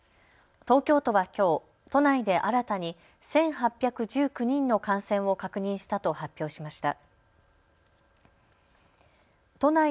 東京都はきょう都内で新たに１８１９人の感染を確認したと発表しました。